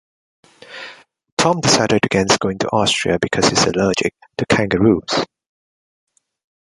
Tom decided against going to Austria because he's allergic to kangaroos.